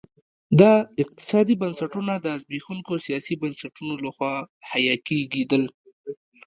دا اقتصادي بنسټونه د زبېښونکو سیاسي بنسټونو لخوا حیه کېدل.